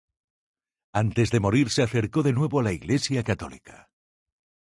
Antes de morir se acercó de nuevo a la Iglesia católica.